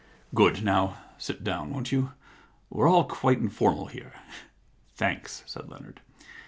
Good. Now sit down, won't you ? We're all quite informal here.' * Thanks,' said Leonard.